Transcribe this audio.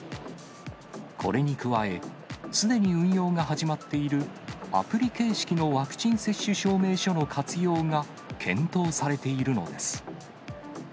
これに加え、すでに運用が始まっているアプリ形式のワクチン接種証明書の活用が検討されているのです。